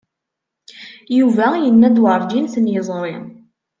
Yuba yenna-d werǧin ten-yeẓri.